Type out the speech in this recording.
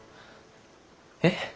えっ？